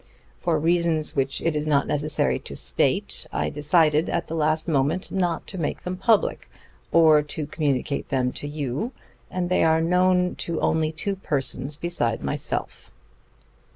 For reasons which it is not necessary to state I decided at the last moment not to make them public, or to communicate them to you, and they are known to only two persons beside myself.